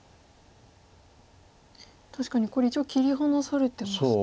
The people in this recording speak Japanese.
確かにこれ一応切り離されてますか？